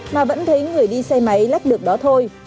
mà vẫn thấy người đi xe máy lắp được đó thôi